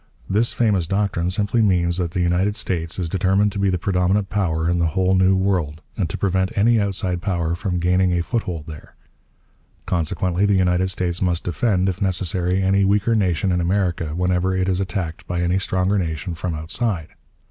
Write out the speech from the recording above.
This famous doctrine simply means that the United States is determined to be the predominant power in the whole New World and to prevent any outside power from gaining a foothold there. Consequently the United States must defend, if necessary, any weaker nation in America whenever it is attacked by any stronger nation from outside.